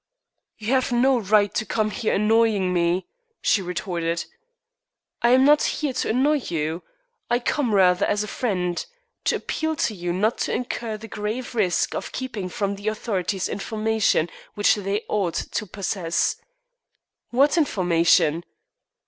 "You have no right to come here annoying me!" she retorted. "I am not here to annoy you. I come, rather, as a friend, to appeal to you not to incur the grave risk of keeping from the authorities information which they ought to possess." "What information?"